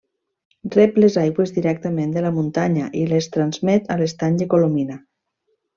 Rep les aigües directament de la muntanya i les transmet a l'Estany de Colomina.